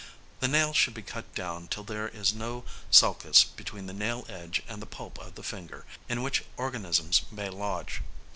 The nails should be cut down till there is no sulcus between the nail edge and the pulp of the finger in which organisms may lodge.